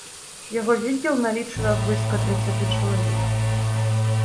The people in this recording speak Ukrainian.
Його відділ налічував близько тридцяти чоловік.